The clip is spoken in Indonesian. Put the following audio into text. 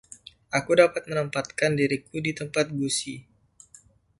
Aku dapat menempatkan diriku di tempat Gussie.